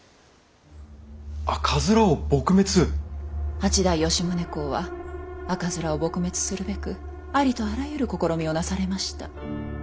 八代吉宗公は赤面を撲滅するべくありとあらゆる試みをなされました。